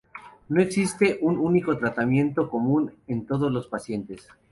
No existe un único tratamiento común a todos los pacientes.